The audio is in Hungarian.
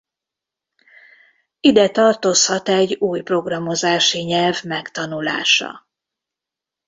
Ide tartozhat egy új programozási nyelv megtanulása.